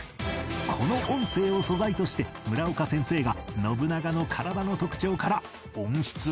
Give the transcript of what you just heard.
この音声を素材として村岡先生が信長の体の特徴から音質を微調整していく